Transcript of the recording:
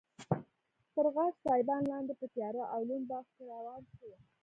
تر غټ سایبان لاندې په تیاره او لوند باغ کې روان شوو.